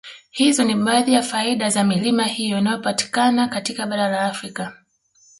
Hizo ni baadhi ya faida za milima hiyo inayopatikana katika bara la Afrika